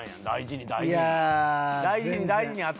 大事に大事に。